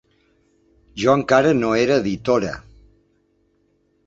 Jo encara no era editora.